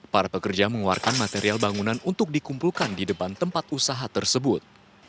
para pekerja mengeluarkan material bangunan untuk dikumpulkan di depan tempat usaha tersebut